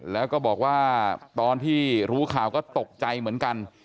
แล้วก็บอกว่าตอนที่รู้ข่าวก็ตกใจเหมือนกัน